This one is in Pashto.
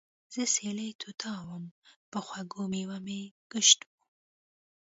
زۀ سېلي طوطا ووم پۀ خوږو مېوو مې ګشت وو